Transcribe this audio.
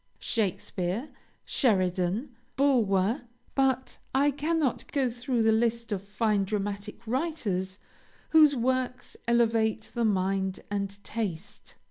Shakespeare, Sheridan, Bulwer, but I cannot go through the list of fine dramatic writers whose works elevate the mind and taste.